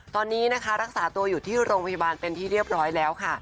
ตอนนี้นะคะรักษาตัวอยู่ที่โรงพยาบาลเป็นที่เรียบร้อยแล้วค่ะ